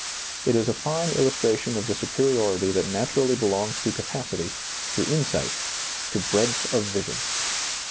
It is a fine illustration of the superiority that naturally belongs to capacity, to insight, to breadth of vision.